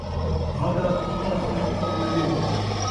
بھاڳا کتا سئیں پݨوین٘دے